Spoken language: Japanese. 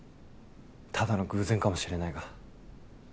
ただの偶然かもしれないが。